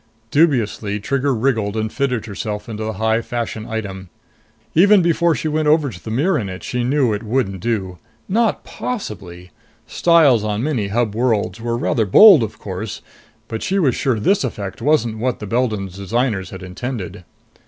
Dubiously, Trigger wriggled and fitted herself into the high fashion item. Even before she went over to the mirror in it, she knew it wouldn't do. Not possibly! Styles on many Hub worlds were rather bold of course, but she was sure this effect wasn't what the Beldon's designers had intended.